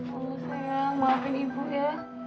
oh sayang maafin ibu ya